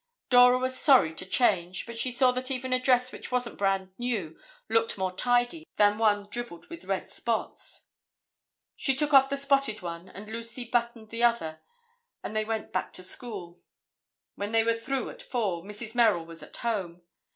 Dora was sorry to change, but she saw that even a dress which wasn't brand new looked more tidy than one dribbled with red spots. She took off the spotted one and Lucy buttoned the other and they went back to school. When they were through at four, Mrs. Merrill was at home.